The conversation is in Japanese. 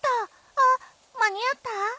あっ間に合った？